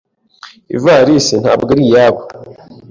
Ivalisi ntabwo ari iyabo.